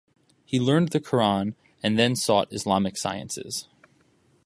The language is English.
He learned the Qur’an and then sought Islamic sciences.